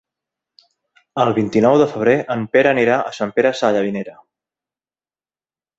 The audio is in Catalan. El vint-i-nou de febrer en Pere anirà a Sant Pere Sallavinera.